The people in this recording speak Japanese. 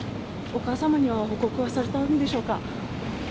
お母様には報告されたんでしょうか。